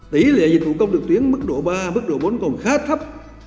tỷ lệ dịch vụ công trực tuyến mức độ ba mức độ bốn còn khá thấp